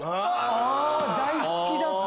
大好きだった！